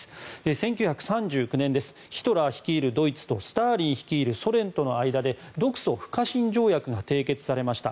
１９３９年ヒトラー率いるドイツとスターリン率いるソ連で独ソ不可侵条約が締結されました。